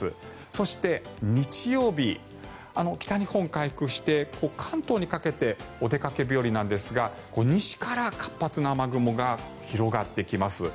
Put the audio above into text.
そして、日曜日北日本は回復して関東にかけてお出かけ日和なんですが西から活発な雨雲が広がってきます。